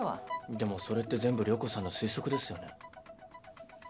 でもそれって全部涼子さんの推測ですよね。